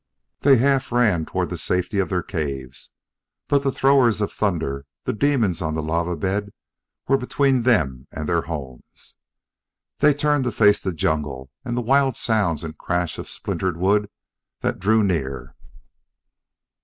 They half ran toward the safety of their caves, but the throwers of thunder, the demons on the lava bed, were between them and their homes. They turned to face the jungle, and the wild sounds and crash of splintered wood that drew near.